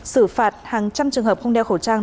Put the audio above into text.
xử phạt hàng trăm trường hợp không đeo khẩu trang